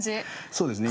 そうですね。